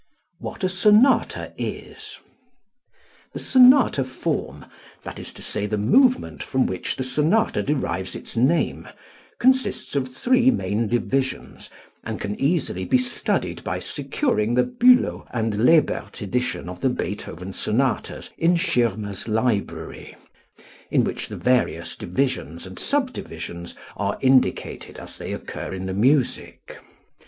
What a Sonata Is. The sonata form (that is to say, the movement from which the sonata derives its name) consists of three main divisions and can easily be studied by securing the Bülow and Lebert edition of the Beethoven sonatas in Schirmer's library, in which the various divisions and subdivisions are indicated as they occur in the music.